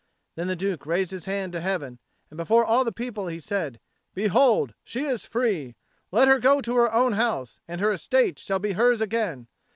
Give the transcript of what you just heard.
Then the Duke raised his hand to heaven, and before all the people he said, "Behold, she is free! Let her go to her own house, and her estate shall be hers again.